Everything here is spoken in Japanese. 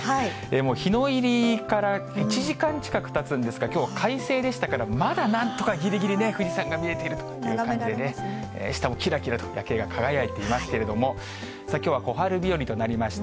もう日の入りから１時間近くたつんですが、きょうは快晴でしたから、まだなんとかぎりぎりね、富士山が見えているという感じでね、しかもきらきらと夜景が輝いていますけれども、きょうは小春日和となりました。